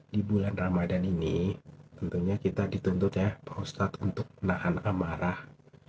di bulan ramadan ini tentunya kita dituntut ya pak ustadz untuk menahan amarah